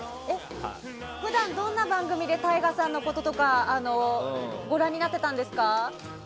普段どんな番組でＴＡＩＧＡさんのこととかご覧になってたんですか？